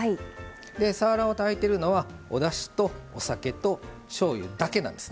さわらを炊いているのはおだしと、お酒としょうゆだけなんです。